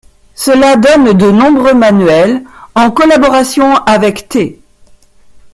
Cela donne de nombreux manuels, en collaboration avec Th.